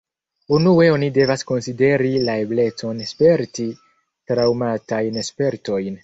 Unue oni devas konsideri la eblecon sperti traŭmatajn spertojn.